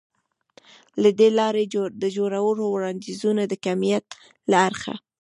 له دې لارې د جوړو وړاندیزونه د کمیت له اړخه